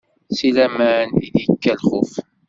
Si laman i d-ikka lxuf.